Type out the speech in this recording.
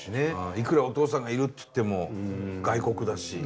いくらお父さんがいるっていっても外国だし。